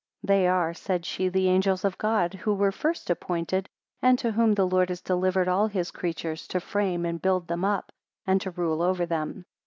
44 They are, said she, the angels of God, who were first appointed, and to whom the Lord has delivered all his creatures, to frame and build them up, and to rule over them.